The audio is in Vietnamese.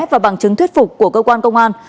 và bằng chứng thuyết phục của cơ quan công an